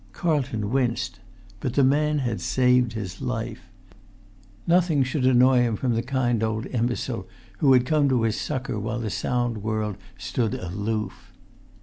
Carlton winced. But the man had saved his life. Nothing should annoy him from the kind old imbecile who had come to his succour while the sound world stood aloof.